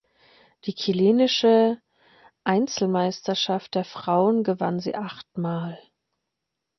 Die chilenische Einzelmeisterschaft der Frauen gewann sie achtmal.